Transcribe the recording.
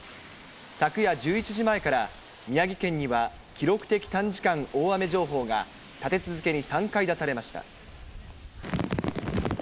昨夜１１時前から、宮城県には記録的短時間大雨情報が、立て続けに３回出されました。